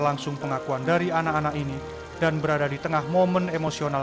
langsung pengakuan dari anak anak ini dan berada di tengah momen emosional